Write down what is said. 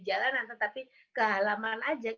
jalanan tetapi ke halaman aja